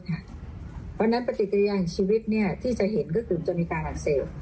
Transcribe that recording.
เพราะฉะนั้นปฏิกิริยาของชีวิตที่จะเห็นก็คือจะมีการอักเสบ